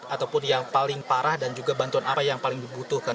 ataupun yang paling parah dan juga bantuan apa yang paling dibutuhkan